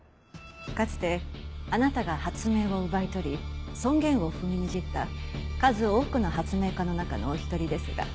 かつてあなたが発明を奪い取り尊厳を踏みにじった数多くの発明家の中のお一人ですが。